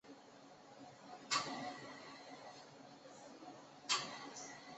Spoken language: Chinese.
火箭可配备任何必要的延迟引信。